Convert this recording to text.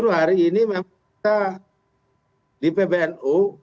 justru hari ini memang kita di pbno